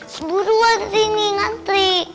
seburuan sih nih ngantri